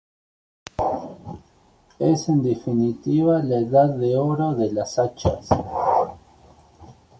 Es en definitiva la ""Edad de Oro"" de las hachas.